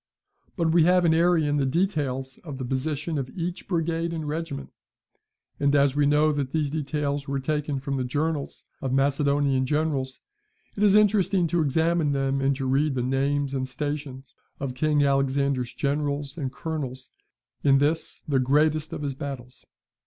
But we have in Arrian the details of the position of each brigade and regiment; and as we know that these details were taken from the journals of Macedonian generals, it is interesting to examine them, and to read the names and stations of King Alexander's generals and colonels in this the greatest of his battles.